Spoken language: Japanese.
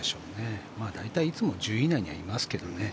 大体いつも１０位以内にはいますけどね。